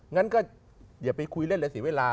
งั้นก็อย่าไปคุยเล่นเลยเสียเวลา